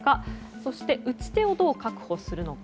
そして、打ち手をどう確保するのか。